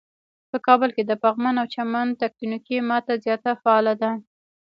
په کابل کې د پغمان او چمن تکتونیکی ماته زیاته فعاله ده.